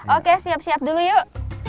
oke siap siap dulu yuk